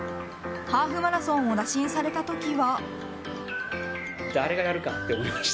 ハーフマラソンを打診されたときは。